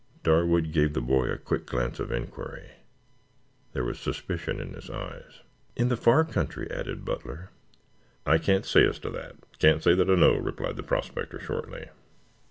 Darwood gave the boy a quick glance of inquiry. There was suspicion in his eyes. "In the far country?" added Butler. "I can't say as to that; I can't say that I know," replied the prospector shortly.